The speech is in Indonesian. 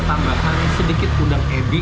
tambahkan sedikit udang edi